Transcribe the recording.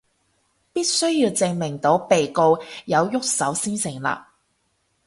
必須要證明到被告有郁手先成立